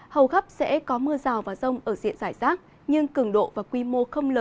hầu khắp sẽ có mưa rào và rông ở diện giải rác nhưng cường độ và quy mô không lớn